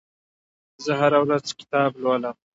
زه هره ورځ کتاب لولم.